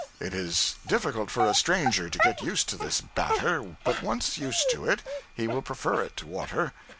It is difficult for a stranger to get used to this batter, but once used to it he will prefer it to water.